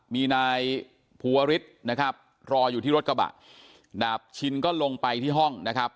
มีนายภูวริสนะครับรออยู่ที่รถกระบะดาบชินก็ลงไปที่ห้องนะครับ